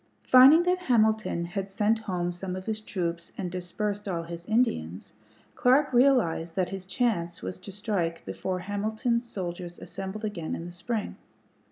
Finding that Hamilton had sent home some of his troops and dispersed all his Indians, Clark realized that his chance was to strike before Hamilton's soldiers assembled again in the spring.